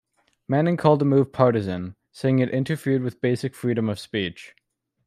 Manning called the move partisan, saying it interfered "with basic freedom of speech".